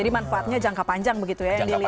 jadi manfaatnya jangka panjang begitu ya yang dilihatnya